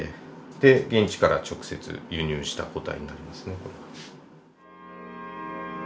で現地から直接輸入した個体になりますね。